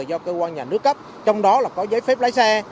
do cơ quan nhà nước cấp trong đó là có giấy phép lái xe